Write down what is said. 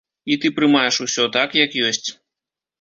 І ты прымаеш усё так, як ёсць.